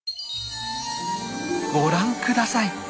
ご覧下さい！